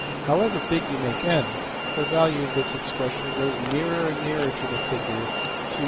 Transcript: However big you make~$n$, the value of this expression grows nearer and nearer to the figure \[ 2.